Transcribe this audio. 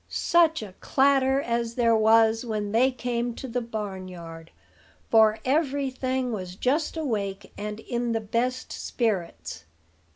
Such a clatter as there was when they came to the barnyard; for every thing was just awake, and in the best spirits.